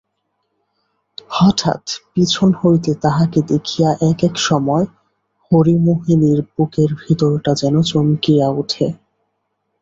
হঠাৎ পিছন হইতে তাহাকে দেখিয়া এক-এক সময় হরিমোহিনীর বুকের ভিতরটা যেন চমকিয়া উঠে।